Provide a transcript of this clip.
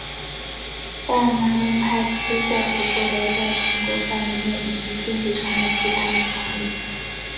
但马龙派基督教徒获得了在全国范围内以及经济上的巨大影响力。